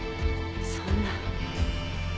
そんな。